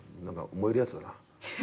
燃えるやつだな。